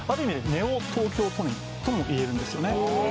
ネオ東京都民ともいえるんですよね